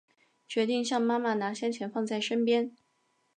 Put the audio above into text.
决定向妈妈拿些钱放在身边